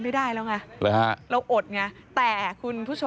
มีความว่ายังไง